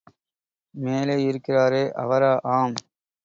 மேலேயிருக்கிறாரே அவரா! ஆம்!